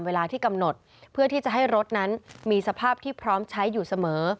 เวลาที่กำหนดเพื่อที่จะให้รถนั้นมีสภาพที่พร้อมใช้อยู่เสมอ